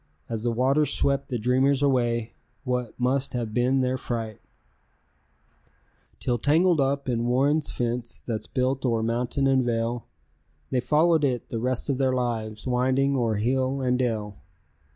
As the waters swept the dreamers away, what must have been their fright, Till tangled up in Warren's fence that's built o'er mountain and vale, They followed it the rest of their lives, winding o'er hill and dale.